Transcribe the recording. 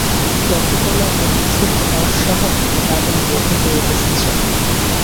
লক্ষ করলাম, অদ্ভূত অস্বাভাবিক এক আতঙ্ক ওকে পেয়ে বসেছে।